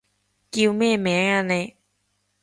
叫咩名啊你？